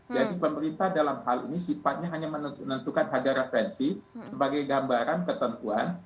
jadi pemerintah dalam hal ini sifatnya hanya menentukan harga referensi sebagai gambaran ketentuan